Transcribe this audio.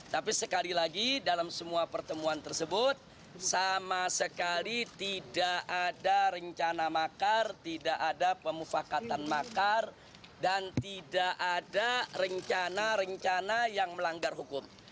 tapi sekali lagi dalam semua pertemuan tersebut sama sekali tidak ada rencana makar tidak ada pemufakatan makar dan tidak ada rencana rencana yang melanggar hukum